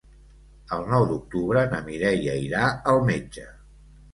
El nou d'octubre na Mireia irà al metge.